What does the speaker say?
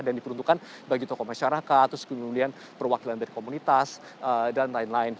dan diperuntukkan bagi tokoh masyarakat sekalian perwakilan dari komunitas dan lain lain